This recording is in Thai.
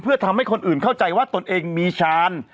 เพื่อทำให้คนอื่นเข้าใจว่าตนเองมีชาญ